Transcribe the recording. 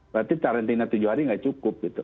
berarti karantina tujuh hari tidak cukup